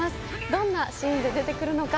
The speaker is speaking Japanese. どんなシーンで出てくるのか